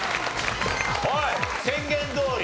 はい宣言どおり。